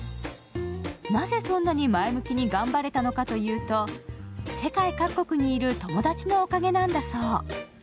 なぜそんなに前向きに頑張れたのかというと世界各国にいる友達のおかげなんだそう。